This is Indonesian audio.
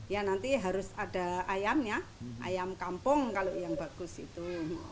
ya nanti harus ada ayam ya ayam kampung kalau yang bagus itu